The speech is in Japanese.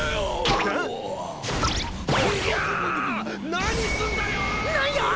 何すんだよおお！